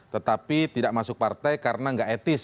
tetapi tidak masuk partai karena nggak etis